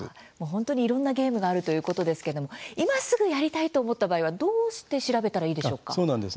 本当にいろんなゲームがあるということですけれども今すぐやりたいと思った場合はどうして調べたらいいでしょうか。